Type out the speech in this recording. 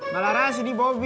malah aras ini bobby